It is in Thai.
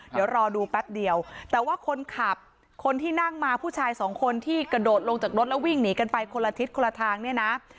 เดี๋ยวรอดูแป๊บเดียวแต่ว่าคนขับคนที่นั่งมาผู้ชายสองคนที่กระโดดลงจากรถแล้ววิ่งหนีกันไปคนละทิศคนละทางเนี่ยนะ